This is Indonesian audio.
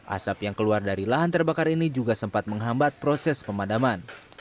asap yang keluar dari lahan terbakar ini juga sempat menghambat proses pemadaman